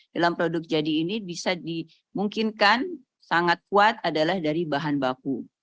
dalam produk jadi ini bisa dimungkinkan sangat kuat adalah dari bahan baku